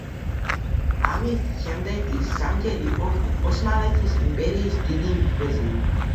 ამის შემდეგ ის სამჯერ იყო ოსმალეთის იმპერიის დიდი ვეზირი.